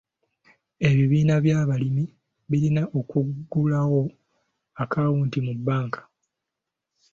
Ebibiina by'abalimi birina okuggulawo akawunti mu bbanka.